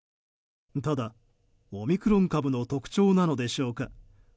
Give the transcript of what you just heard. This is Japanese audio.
ただ、オミクロン株の特徴なのでしょうか。